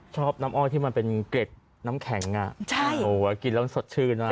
ชอบน้ำอ้อยที่มันเป็นเกร็ดน้ำแข็งกินแล้วสดชื่นนะ